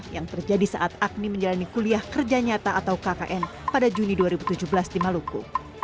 yang terjadi saat agni menjalani kuliah kerja nyata atau kkn pada juni dua ribu tujuh belas di maluku